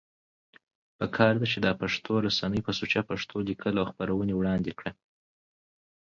پکار ده چې دا پښتو رسنۍ په سوچه پښتو ليکل او خپرونې وړاندی کړي